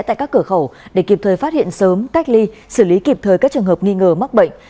tại các cửa khẩu để kịp thời phát hiện sớm cách ly xử lý kịp thời các trường hợp nghi ngờ mắc bệnh